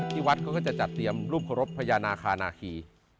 ที่วัดก็จะจัดเตรียมลูกฆบมะยานาคาราคี